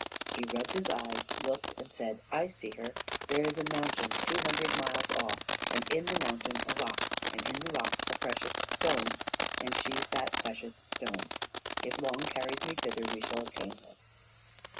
He rubbed his eyes, looked, and said: "I see her. There's a mountain two hundred miles off, and in the mountain a rock, and in the rock a precious stone, and she's that precious stone. If Long carries me thither, we shall obtain her."